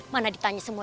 mana ditanya semua